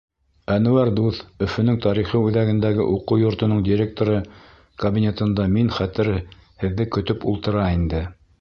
Әнүәр дуҫ Өфөнөң тарихи үҙәгендәге уҡыу йортоноң директоры кабинетында мин хәтерһеҙҙе көтөп ултыра инде.